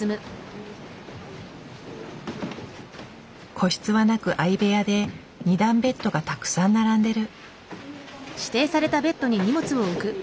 個室はなく相部屋で２段ベッドがたくさん並んでる。